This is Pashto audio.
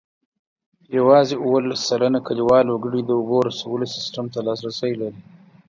یوازې اوولس سلنه کلیوال وګړي د اوبو رسولو سیسټم ته لاسرسی لري.